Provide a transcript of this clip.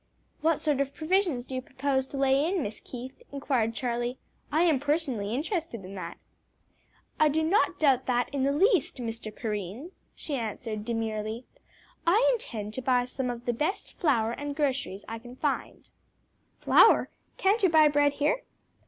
"What sort of provisions do you propose to lay in, Miss Keith?" inquired Charlie. "I am personally interested in that." "I do not doubt that in the least, Mr. Perrine," she answered demurely. "I intend to buy some of the best flour and groceries that I can find." "Flour? can't you buy bread here?"